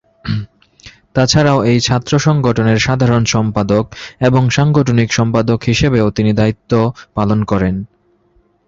তাছাড়াও এই ছাত্র সংগঠনের সাধারণ সম্পাদক এবং সাংগঠনিক সম্পাদক হিসেবেও তিনি দায়িত্ব পালন করেন।